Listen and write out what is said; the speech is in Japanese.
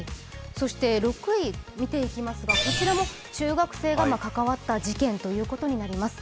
６位を見ていきますが、こちらも中学生が関わった事件となります。